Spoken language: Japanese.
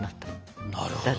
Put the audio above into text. なるほど。